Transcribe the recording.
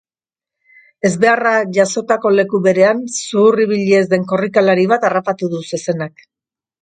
Ezbeharra jazotako leku berean zuhur ibili ez den korrikalari bat harrapatu du zezenak.